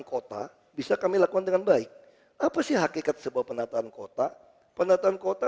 kota bisa kami lakukan dengan baik apa sih hakikat sebuah penataan kota penataan kota